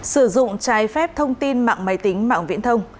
sử dụng trái phép thông tin mạng máy tính mạng viễn thông